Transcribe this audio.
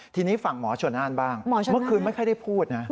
ทีนี้ฝั่งหมอชนน่านบ้างเมื่อคืนไม่ค่อยได้พูดนะ